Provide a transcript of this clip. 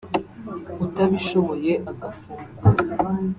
utabishoboye agafunga